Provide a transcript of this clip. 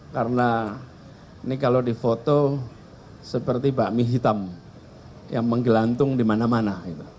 karena ini kalau difoto seperti bakmi hitam yang menggelantung di mana mana